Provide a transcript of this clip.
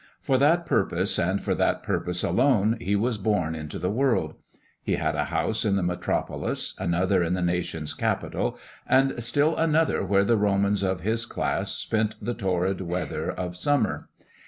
For that purpose, and for that purpose alone, he was born into the world. He had a house in the metropolis, another at the nation's capital, and still another where the Romans of his class spent the torrid weather of summer.